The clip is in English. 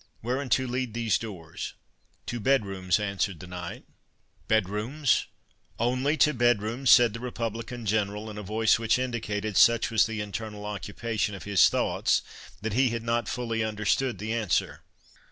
Whereunto lead these doors?" "To bedrooms," answered the knight. "Bedrooms! only to bedrooms?" said the Republican General, in a voice which indicated such was the internal occupation of his thoughts, that he had not fully understood the answer.